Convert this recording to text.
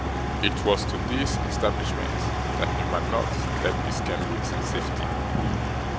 It was to this establishment that Newman Noggs led Miss Kenwigs in safety.